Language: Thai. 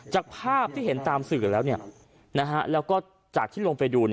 จากภาพที่เห็นตามสื่อแล้วแล้วก็จากที่ลงไปดู